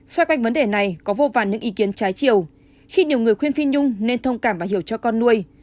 xoay quanh vấn đề này có vô vàn những ý kiến trái chiều khi nhiều người khuyên phi nhung nên thông cảm và hiểu cho con nuôi